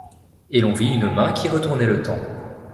Et l'on vit une main qui retournait le temps.